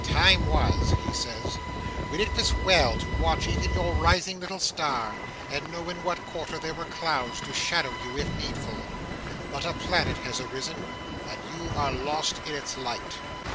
"Time was," he said, "when it was well to watch even your rising little star, and know in what quarter there were clouds, to shadow you if needful. But a planet has arisen, and you are lost in its light."